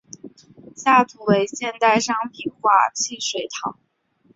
下图为现代商品化的汽水糖。